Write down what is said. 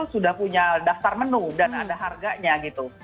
sudah punya daftar menu dan ada harganya gitu